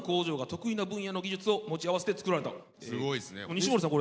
西森さん